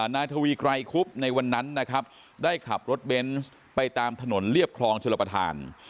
นายทวีไกรคุบในวันนั้นนะครับได้ขับรถเบนส์ไปตามถนนเรียบคลองชลประธาน